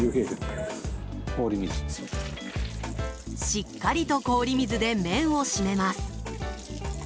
しっかりと氷水で麺をしめます。